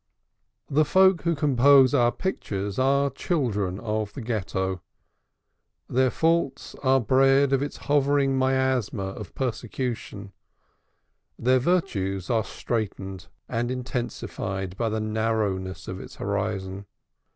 The folk who compose our pictures are children of the Ghetto; their faults are bred of its hovering miasma of persecution, their virtues straitened and intensified by the narrowness of its horizon.